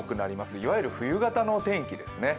いわゆる冬型の天気ですね。